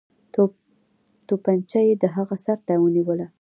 توپنچه یې د هغه سر ته ونیوله.